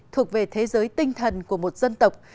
thuộc về thế giới tinh thần của một dân tộc